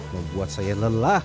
membuat saya lelah